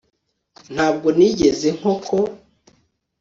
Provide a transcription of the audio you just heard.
ntabwo nigeze nkoko